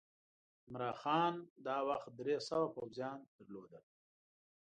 عمرا خان دا وخت درې سوه پوځیان درلودل.